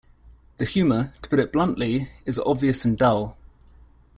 The humor, to put it bluntly, is obvious and dull...